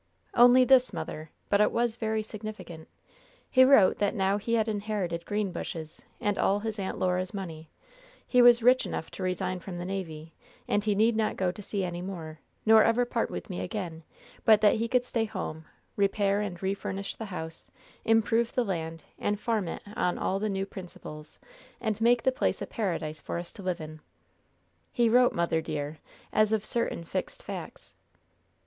"Only this, mother, but it was very significant. He wrote that now he had inherited Greenbushes and all his Aunt Laura's money, he was rich enough to resign from the navy, and he need not go to sea any more, nor ever part with me again; but that he could stay home, repair and refurnish the house, improve the land, and farm it on all the new principles, and make the place a paradise for us to live in. He wrote, mother, dear, as of certain fixed facts."